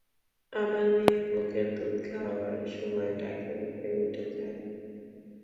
আমার মেয়ে বুকের দুধ খাওয়ার সময় নাকে মুখে উঠে যায়।